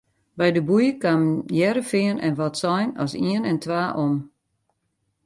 By de boei kamen Hearrenfean en Wâldsein as ien en twa om.